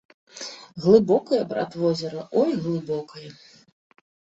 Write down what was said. Глыбокае, брат, возера, ой, глыбокае!